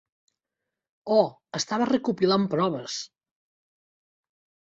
Oh, estava recopilant proves.